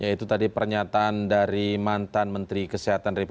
ya itu tadi pernyataan dari mantan menteri kesehatan